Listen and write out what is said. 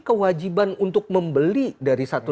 kewajiban untuk membeli dari satu